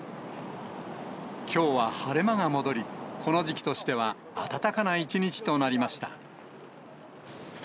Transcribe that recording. きょうは晴れ間が戻り、この時期としては暖かな一日となりました。